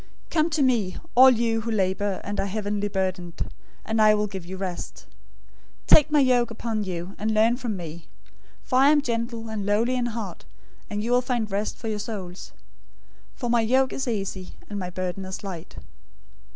011:028 "Come to me, all you who labor and are heavily burdened, and I will give you rest. 011:029 Take my yoke upon you, and learn from me, for I am gentle and lowly in heart; and you will find rest for your souls. 011:030 For my yoke is easy, and my burden is light."